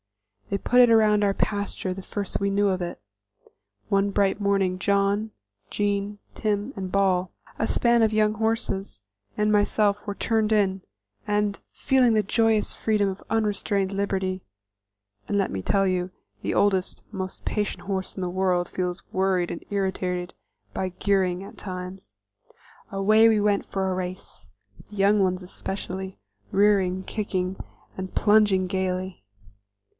They put it around our pasture the first we knew of it. One bright morning John, Jean, Tim and Ball a span of young horses and myself were turned in, and, feeling the joyous freedom of unrestrained liberty (and, let me tell you, the oldest, most patient horse in the world feels worried and irritated by gearing, at times), away we went for a race, the young ones especially, rearing, kicking and plunging gaily.